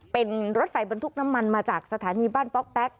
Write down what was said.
เป็นรถไฟบรรทุกน้ำมันมาจากสถานีบ้านป๊อกแป๊ก